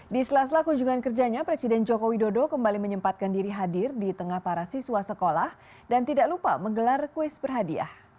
di sela sela kunjungan kerjanya presiden joko widodo kembali menyempatkan diri hadir di tengah para siswa sekolah dan tidak lupa menggelar kuis berhadiah